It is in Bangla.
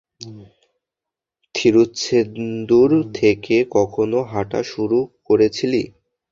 থিরুছেন্দুর থেকে কখন হাঁটা শুরু করেছলি?